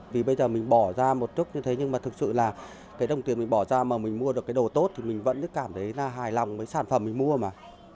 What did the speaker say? vì bây giờ mình bỏ ra một lúc như thế nhưng mà thực sự là cái đồng tiền mình bỏ ra mà mình mua được cái đồ tốt thì mình vẫn cứ cảm thấy là hài lòng với sản phẩm mình mua mà